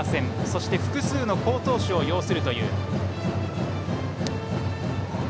そして複数の好投手を擁するという。